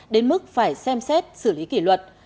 đến mức phải xem xét xử lý kỷ luật